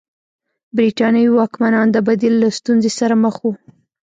برېټانوي واکمنان د بدیل له ستونزې سره مخ وو.